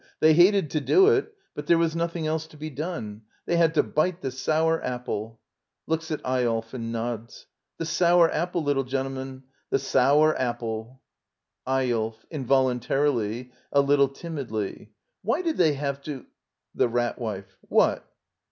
They hated to do it, but there was nothing else to be done. They had to bite the sour apple.^* [Looks^t EjoW and nods.] The sour app le, little gentleman, tS^Jo ur ap ple! EYOLF. Linvoluntarily, a little timidly. J Why did they have to —? The Rat Wife. What?